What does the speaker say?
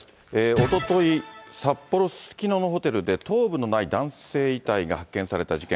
おととい、札幌・すすきののホテルで頭部のない男性遺体が発見された事件。